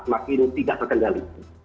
makin tidak terkendali